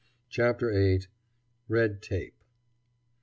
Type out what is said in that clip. CHAPTER VIII. RED TAPE.